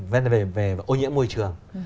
vấn đề về ô nhiễm môi trường